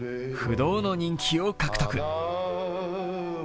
不動の人気を獲得。